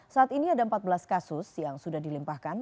saat ini ada empat belas kasus yang sudah dilimpahkan